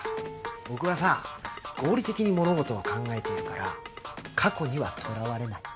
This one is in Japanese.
僕はさぁ合理的に物事を考えているから過去にはとらわれない。